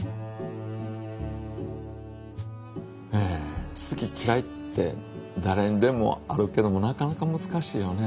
え好ききらいってだれにでもあるけどもなかなかむずかしいよね